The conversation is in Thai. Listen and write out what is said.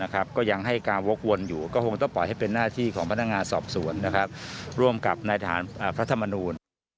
ของพนักงานสอบสวนร่วมกับนายฐานพระธรรมนูญ